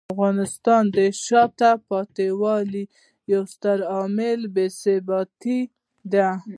د افغانستان د شاته پاتې والي یو ستر عامل بې ثباتي دی.